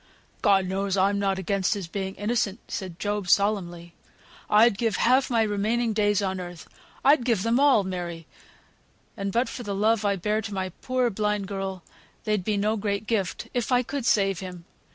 "God knows, I'm not against his being innocent," said Job, solemnly. "I'd give half my remaining days on earth, I'd give them all, Mary (and but for the love I bear to my poor blind girl, they'd be no great gift), if I could save him.